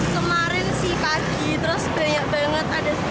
kemarin sih pagi terus banyak banget ada sepuluhan